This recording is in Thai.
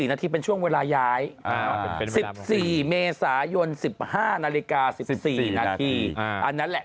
นาทีเป็นช่วงเวลาย้าย๑๔เมษายน๑๕นาฬิกา๑๔นาทีอันนั้นแหละ